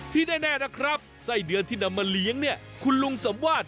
แน่นะครับไส้เดือนที่นำมาเลี้ยงเนี่ยคุณลุงสำวาด